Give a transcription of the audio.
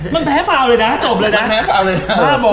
มันแพ้เฝ้าเลยนะจบเลยกระโบ